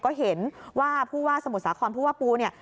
ก็เห็นว่าผู้ว่าสมุทรสาครผู้ว่าปูเนี่ย